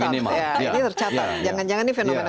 jangan jangan ini fenomena gunung es kita